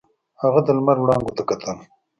هغه د لمر وړانګو ته کتل.